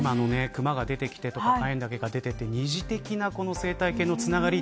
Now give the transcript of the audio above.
クマが出てきてとかカエンタケが出てきて二次的な生態系のつながり